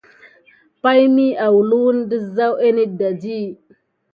Ngawni lulundi tisank kinaya ket naditite nanai.